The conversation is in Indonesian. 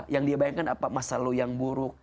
yang dia bayangkan apa masa lo yang buruk